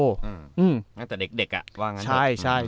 ตั้งแต่เด็กอ่ะว่างั้น